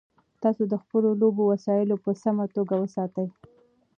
تاسو د خپلو لوبو وسایل په سمه توګه وساتئ.